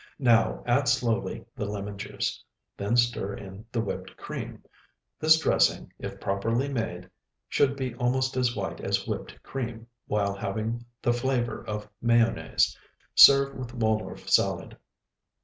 Now add slowly the lemon juice, then stir in the whipped cream. This dressing, if properly made, should be almost as white as whipped cream, while having the flavor of mayonnaise. Serve with Waldorf salad.